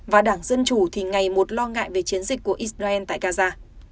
và đảng dân chủ thì ngày một lo ngại về chiến dịch của israel tại gaza